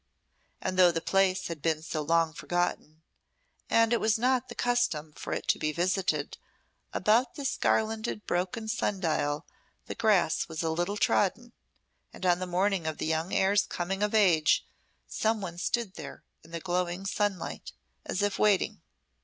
And though the place had been so long forgotten, and it was not the custom for it to be visited, about this garlanded broken sun dial the grass was a little trodden, and on the morning of the young heir's coming of age some one stood there in the glowing sunlight as if waiting.